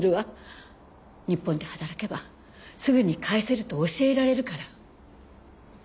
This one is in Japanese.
日本で働けばすぐに返せると教えられるから。